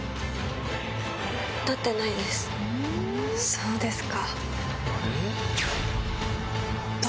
そうですか。